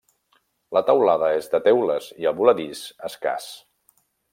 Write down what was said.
La teulada és de teules i el voladís escàs.